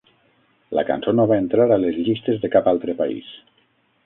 La cançó no va entrar a les llistes de cap altre país.